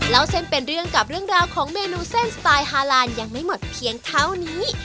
เล่าเส้นเป็นเรื่องกับเรื่องราวของเมนูเส้นสไตล์ฮาลานยังไม่หมดเพียงเท่านี้